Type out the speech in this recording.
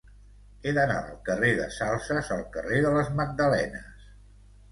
He d'anar del carrer de Salses al carrer de les Magdalenes.